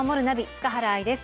塚原愛です。